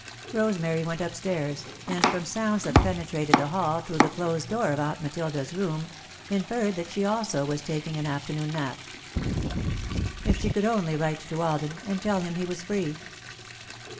Rosemary went up stairs, and, from sounds that penetrated the hall through the closed door of Aunt Matilda's room, inferred that she also was taking an afternoon nap. If she could only write to Alden, and tell him he was free!